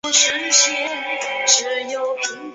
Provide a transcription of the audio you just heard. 斯匹兹卑尔根岛。